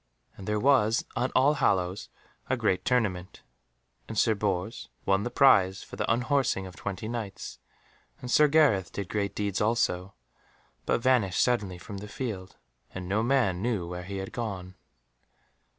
And there was on All Hallows a great tournament, and Sir Bors won the prize for the unhorsing of twenty Knights, and Sir Gareth did great deeds also, but vanished suddenly from the field, and no man knew where he had gone.